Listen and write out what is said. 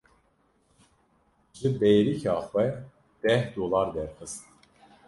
Ji bêrîka xwe deh dolar derxist.